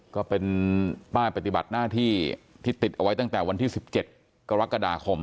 ก็เป็นป้ายปฏิบัติหน้าที่ที่ติดเอาไว้ตั้งแต่วันที่๑๗กรกฎาคม